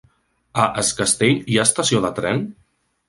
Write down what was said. A Es Castell hi ha estació de tren?